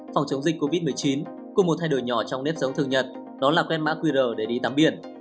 phòng chống dịch covid một mươi chín cùng một thay đổi nhỏ trong nếp sống thường nhật đó là quét mã qr để đi tắm biển